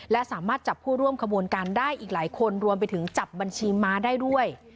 และสามารถจับผู้ร่วมขบวนการได้อีกหลายคนรวมไปถึงจับบัญชีม้าได้ด้วย